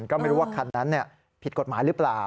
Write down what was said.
ก็ไม่รู้ว่าคันนั้นผิดกฎหมายหรือเปล่า